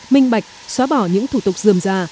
minh bạch xóa bỏ những thủ tục dườm ra